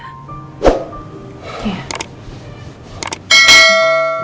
aku gak mau